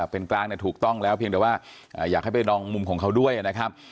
เป็นกลางถูกต้องแล้วเพียงแต่ว่าอยากให้ไปลองมุมของเขาด้วยนะครับ